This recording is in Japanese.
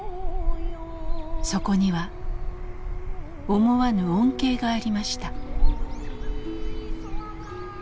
そこには思わぬ恩恵がありました。